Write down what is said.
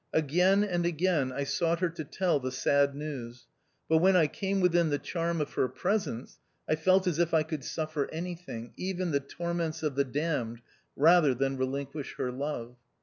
Again, and again I sought her to tell the sad news, but when I came within the charm of her presence, I felt as if I could suffer anything, even the torments of the damned, rather than relinquish her love.